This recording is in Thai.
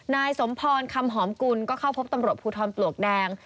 นายสมพรคำหอมกุลก็เข้าพบตำรวจภูทรปลวกแดง